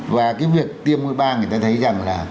và cái việc tiêm ngôi ba người ta thấy rằng là